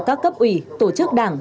các cấp ủy tổ chức đảng